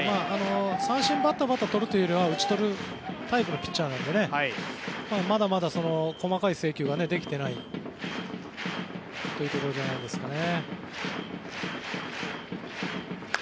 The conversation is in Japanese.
三振をとるというよりは打ち取るタイプのピッチャーなのでまだまだ細かい制球ができていないということじゃないですかね。